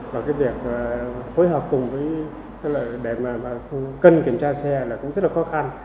và cái việc phối hợp cùng với tức là để mà cân kiểm tra xe là cũng rất là khó khăn